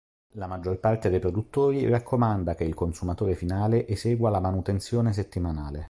La maggior parte dei produttori raccomanda che il consumatore finale esegua la manutenzione settimanale.